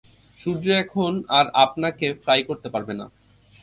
সূর্য এখন আর আপনাকে ফ্রাই করতে পারবে না।